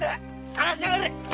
離しやがれ！